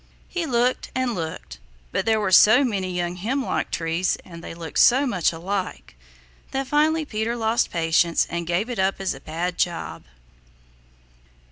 He looked and looked, but there were so many young hemlock trees and they looked so much alike that finally Peter lost patience and gave it up as a bad job.